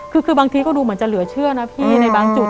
คือบางทีก็ดูเหมือนจะเหลือเชื่อนะพี่ในบางจุด